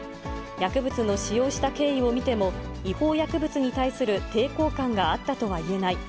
薬物を使用した経緯を見ても、違法薬物に対する抵抗感があったとは言えない。